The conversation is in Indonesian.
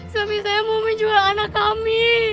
suami saya mau menjual anak kami